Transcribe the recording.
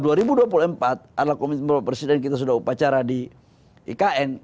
adalah komitmen bapak presiden kita sudah upacara di ikn